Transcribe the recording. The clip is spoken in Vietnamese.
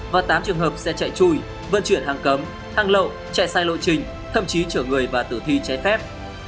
và tám trường hợp xe chạy chui vận chuyển hàng cấm hàng lậu chạy sai lộ trình thậm chí chở người và tử thi trái phép